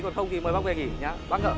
còn không thì mời bác về nghỉ nhá